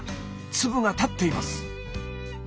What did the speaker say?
粒が立っています。